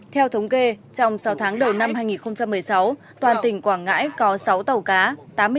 theo thống kê trong sáu tháng đầu năm hai nghìn một mươi sáu toàn tỉnh quảng ngãi có sáu tàu cá